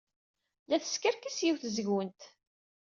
La teskerkis yiwet seg-went.